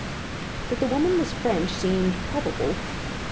That the woman was French seemed probable.